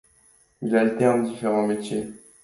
Il alterne différents métiers.